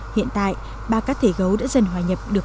hiện tại ba cá thể gấu đã dần hòa nhập được